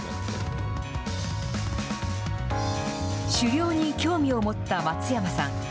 狩猟に興味を持った松山さん。